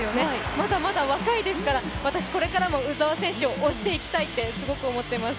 まだまだ若いですから私これからも鵜澤選手を推していきたいってすごく思っています。